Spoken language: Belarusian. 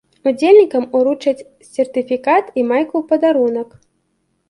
Удзельнікам уручаць сертыфікат і майку ў падарунак.